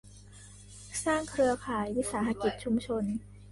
สร้างเครือข่ายวิสาหกิจชุมชน